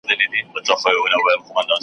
زما امام دی .